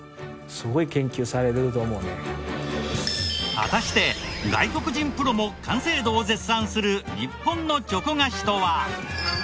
果たして外国人プロも完成度を絶賛する日本のチョコ菓子とは？